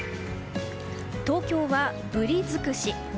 東京はぶり尽くし。